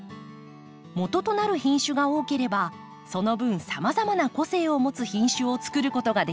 もととなる品種が多ければその分さまざまな個性を持つ品種をつくることができます。